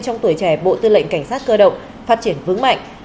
trong tuổi trẻ bộ tư lệnh cảnh sát cơ động phát triển vững mạnh